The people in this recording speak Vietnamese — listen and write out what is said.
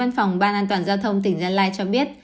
an toàn giao thông tỉnh gia lai cho biết